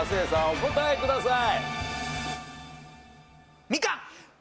お答えください。